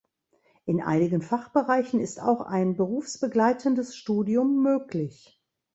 In einigen Fachbereichen ist auch ein berufsbegleitendes Studium möglich.